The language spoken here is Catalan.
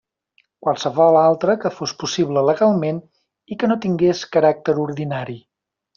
Qualsevol altre que fos possible legalment i que no tingués caràcter ordinari.